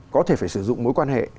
có thể phải sử dụng mối quan hệ